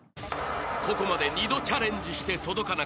［ここまで二度チャレンジして届かなかった笑